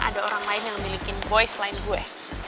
ada orang lain yang memiliki voice selain gue